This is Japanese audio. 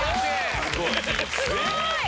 すごい！